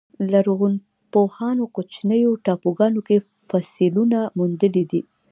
لرغونپوهانو کوچنیو ټاپوګانو کې فسیلونه موندلي دي.